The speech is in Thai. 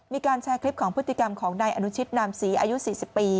มีการแชร์คลิปของพฤติกรรมของนายอนุชิตนามศรีอายุ๔๐ปี